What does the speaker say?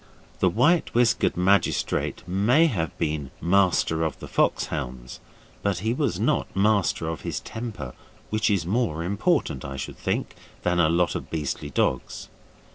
The white whiskered magistrate may have been master of the fox hounds, but he was not master of his temper, which is more important, I should think, than a lot of beastly dogs.